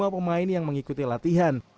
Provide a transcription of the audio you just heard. dua puluh lima pemain yang mengikuti latihan